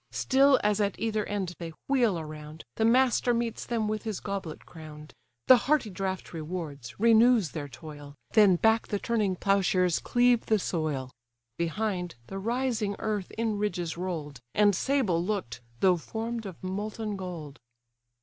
Still as at either end they wheel around, The master meets them with his goblet crown'd; The hearty draught rewards, renews their toil, Then back the turning ploughshares cleave the soil: Behind, the rising earth in ridges roll'd; And sable look'd, though form'd of molten gold.